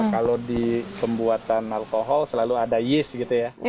kalau di pembuatan alkohol selalu ada yeast